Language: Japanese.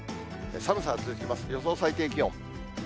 寒さは続いて、予想最低気温。